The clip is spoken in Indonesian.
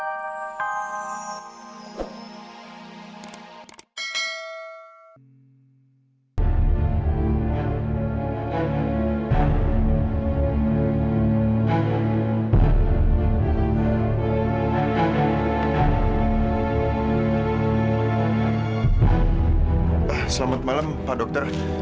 selamat malem pak dokter